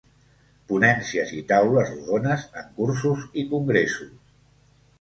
Ponències i taules rodones en cursos i congressos.